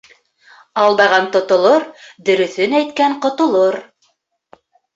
Алдаған тотолор, дөрөҫөн әйткән ҡотолор.